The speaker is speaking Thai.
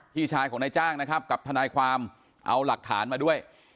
พี่ชายของนายจ้างนะครับกับทนายความเอาหลักฐานมาด้วย